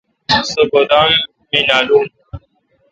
سو گودام می نالون۔